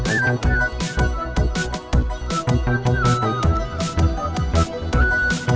saya pengen oma